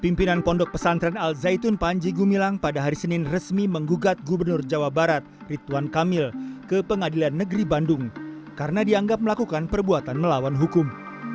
pimpinan pondok pesantren al zaitun panji gumilang pada hari senin resmi menggugat gubernur jawa barat rituan kamil ke pengadilan negeri bandung karena dianggap melakukan perbuatan melawan hukum